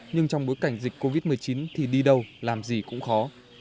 nhưng trong bối cảnh dịch covid một mươi chín thì đi đâu làm gì cũng khó